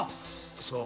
そう。